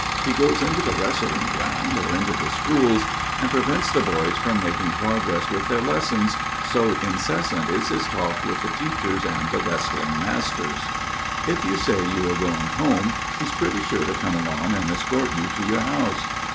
He goes upon the wrestling ground or into the schools, and prevents the boys from making progress with their lessons, so incessant is his talk with the teachers and the wrestling masters. If you say you are going home, he's pretty sure to come along and escort you to your house.